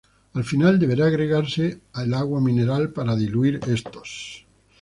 Al final deberá agregarse el agua mineral para diluir estos.